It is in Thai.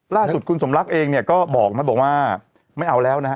ล่าสุดคุณสมรักเองเนี่ยก็บอกนะบอกว่าไม่เอาแล้วนะฮะ